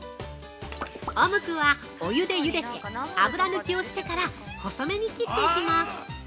◆オムクはお湯でゆでて油抜きをしてから細めに切っていきます。